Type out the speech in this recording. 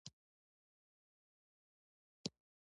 چوکۍ د صنف ترتیب ښیي.